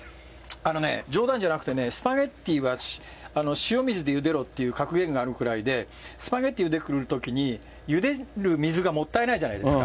あのね、冗談じゃなくて、スパゲッティーは塩水でゆでろっていう格言があるくらいで、スパゲッティーゆでるときに、ゆでる水がもったいないじゃないですか。